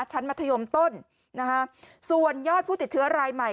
มัธยมต้นนะคะส่วนยอดผู้ติดเชื้อรายใหม่